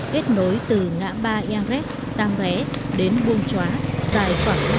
kết nối từ ngã ba yang rét giang ré đến vương chóa dài khoảng hai mươi ba km